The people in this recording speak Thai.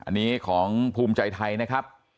อันนี้ของภูมิใจไทยนะครับ